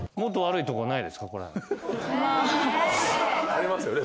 ありますよね